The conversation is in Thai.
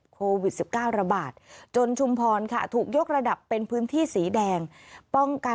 โควิด๑๙ระบาดจนชุมพรค่ะถูกยกระดับเป็นพื้นที่สีแดงป้องกัน